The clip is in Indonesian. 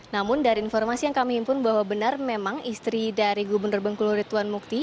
namun dari informasi yang kami impun bahwa benar memang istri dari gubernur bengkulu rituan mukti